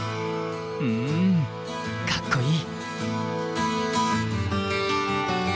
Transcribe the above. うんかっこいい。